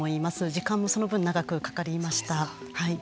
時間もその分長くかかりました。